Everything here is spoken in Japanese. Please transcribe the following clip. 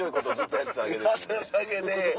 やってただけで。